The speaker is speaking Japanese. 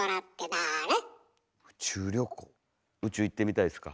宇宙行ってみたいですか？